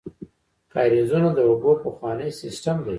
کاریزونه د اوبو پخوانی سیسټم دی.